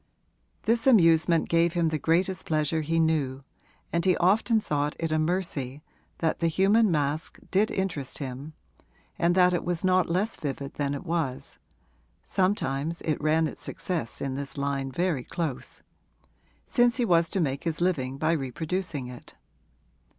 This amusement gave him the greatest pleasure he knew, and he often thought it a mercy that the human mask did interest him and that it was not less vivid than it was (sometimes it ran its success in this line very close), since he was to make his living by reproducing it.